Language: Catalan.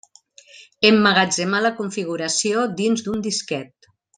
Emmagatzemar la configuració dins d'un disquet.